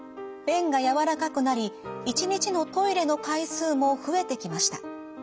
便が軟らかくなり一日のトイレの回数も増えてきました。